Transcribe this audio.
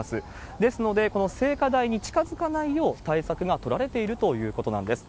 ですので、この聖火台に近づかないよう対策が取られているということなんです。